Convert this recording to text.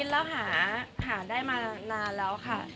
อ๋อคิดแล้วหาหาได้มานานแล้วค่ะ